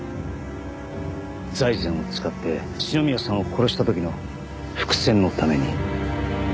財前を使って篠宮さんを殺した時の伏線のために。